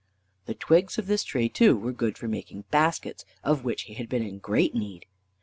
The twigs of this tree, too, were good for making baskets, of which he had been in great need.